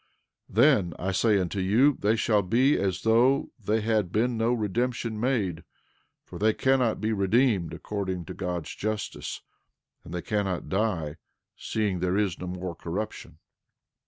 12:18 Then, I say unto you, they shall be as though there had been no redemption made; for they cannot be redeemed according to God's justice; and they cannot die, seeing there is no more corruption.